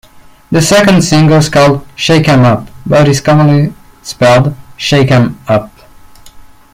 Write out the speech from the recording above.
The second single is called "Shake Em Up", but is commonly spelled "Shakem Up".